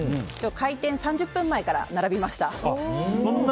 開店３０分前から並びました。